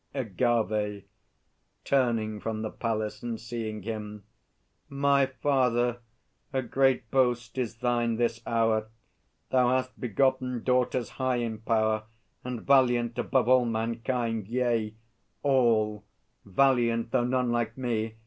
AGAVE (turning from the Palace and seeing him). My father, a great boast is thine this hour. Thou hast begotten daughters, high in power And valiant above all mankind yea, all Valiant, though none like me!